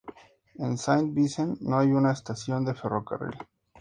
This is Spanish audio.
En Saint-Vincent no hay una estación de ferrocarril.